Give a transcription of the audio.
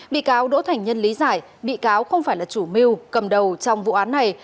bị cáo đỗ thành nhân lý giải bị cáo không phải là chủ mưu cầm đầu trong vụ án này